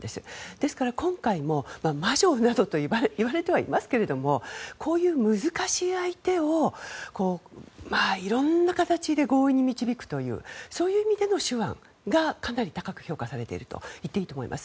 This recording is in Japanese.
ですから、今回も魔女などと言われてはいますけどこういう難しい相手をいろんな形で合意に導くというそういう意味での手腕がかなり高く評価されているといえると思います。